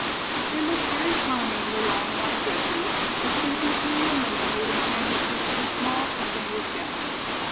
They look very charming in their long white dresses, dispensing tea and lemonade and sandwiches to the small company of guests.